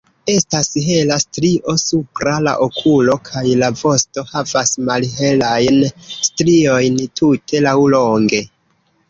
Estas hela strio supra la okulo kaj la vosto havas malhelajn striojn tute laŭlonge.